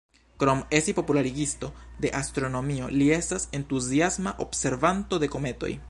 Krom esti popularigisto de astronomio, li estas entuziasma observanto de kometoj.